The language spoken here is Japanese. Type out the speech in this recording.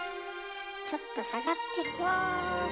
ちょっと下がってる。